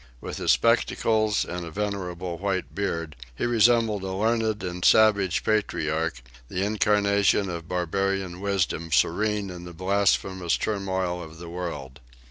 With his spectacles and a venerable white beard, he resembled a learned and savage patriarch, the incarnation of barbarian wisdom serene in the blasphemous turmoil of the world.